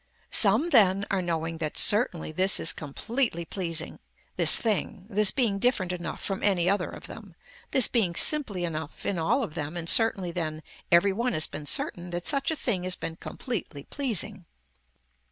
Some then are knowing that certainly this is completely pleasing, this thing, this being different enough from any other of them, this being simply enough in all of them and certainly then every one has been certain that such a thing has been completely pleasing.